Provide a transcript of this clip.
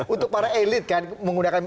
untuk para elit menggunakan